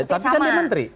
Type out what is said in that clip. tapi kan dia menteri